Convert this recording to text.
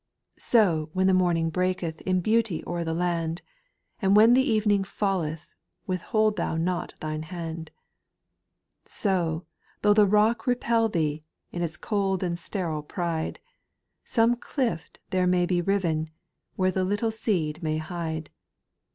Sow when the morning breaketh In beauty o'er the land ; And when the evening falleth Withhold not thou thine hand. ' 4. * Sow, though the rock repel thee. In its cold and sterile pride ; Some clift there may be riven. Where the little seed may hide.